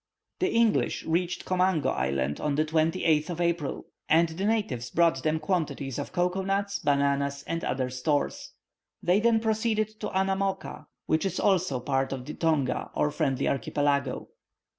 The English reached Komango Island on the 28th of April, and the natives brought them quantities of cocoa nuts, bananas, and other stores. They then proceeded to Annamooka, which is also part of the Tonga, or Friendly archipelago.